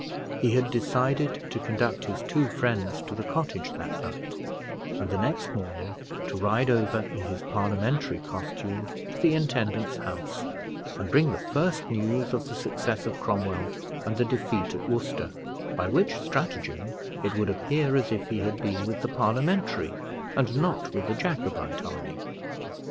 He had decided to conduct his two friends to the cottage that night, and the next morning to ride over in his Parliamentary costume to the intendant's house, and bring the first news of the success of Cromwell and the defeat at Worcester; by which stratagem it would appear as if he had been with the Parliamentary, and not with the Jacobite, army.